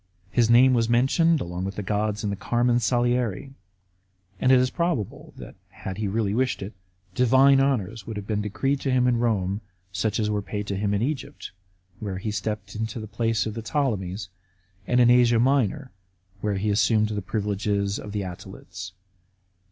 His name was mentioned along with the gods in the Carmen Saliare, and it is probable that, if he had really wished it, divine honours would have been decreed to him in Rome, such as were paid to him in Egypt, where he stepped into the place of the Ptolemies, and in Asia Minor, where he assumed the privileges of the Attalids.